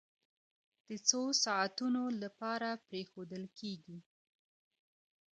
د څو ساعتونو لپاره پرېښودل کېږي.